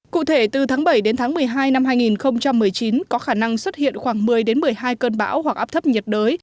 cụ thể từ tháng bảy đến tháng một mươi hai năm hai nghìn một mươi chín có khả năng xuất hiện khoảng một mươi một mươi hai cơn bão hoặc áp thấp nhiệt đới